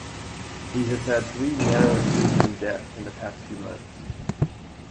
He has had three narrow escapes from death in the past few months.